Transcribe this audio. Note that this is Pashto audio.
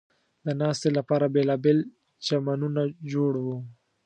د ناستې لپاره بېلابېل چمنونه جوړ و.